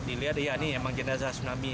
dilihat ya ini emang jenazah tsunami